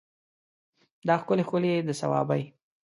دا ښکلي ښکلي د صوابی